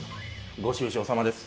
ご愁傷さまです。